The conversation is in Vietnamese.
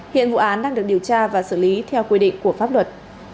hiện vụ án đang được điều tra và xử lý theo quy định của pháp luật